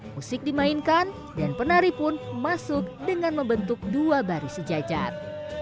musik dimainkan dan penari pun masuk dengan membentuk dua baris sejajar